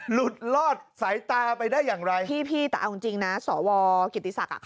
หลุดลอดสายตาไปได้อย่างไรพี่พี่แต่เอาจริงจริงนะสวกิติศักดิ์